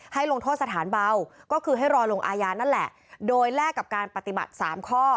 ลงโทษสถานเบาก็คือให้รอลงอาญานั่นแหละโดยแลกกับการปฏิบัติ๓ข้อ